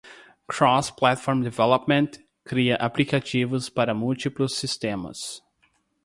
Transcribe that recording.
Cross-Platform Development cria aplicativos para múltiplos sistemas.